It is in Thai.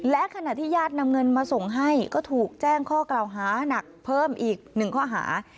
และขณะที่ญาตินำเงินมาส่งให้ก็ถูกแจ้งข้อกล่าวหานักเพิ่มอีกหนึ่งข้อหา